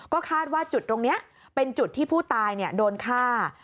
ก็คาดว่าจุดตรงนี้เป็นจุดที่ผู้ตายโดนฆ่า